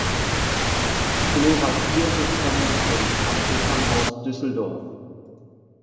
Koloratursopranistin am Opernhaus Düsseldorf.